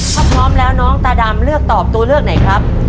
ถ้าพร้อมแล้วน้องตาดำเลือกตอบตัวเลือกไหนครับ